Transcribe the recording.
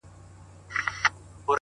يو ما و تا_